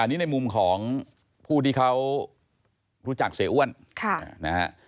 อันนี้ในมุมของผู้ที่เขารู้จักเสียอ้วนนะฮะ